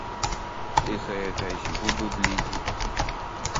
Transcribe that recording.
Тиха якась, губи бліді.